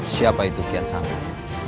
siapa itu kian santang